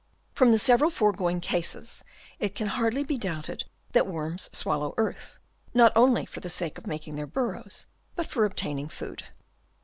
From the several foregoing cases, it can hardly be doubted that worms swallow earth, not only for the sake of making their bur rows, but for obtaining food.